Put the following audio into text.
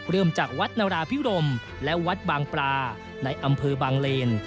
เริ่มจากวัดนราพิรมและวัดบางปลาในอำเภอบางเลน